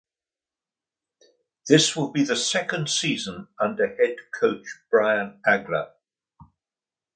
This will be the second season under head coach Brian Agler.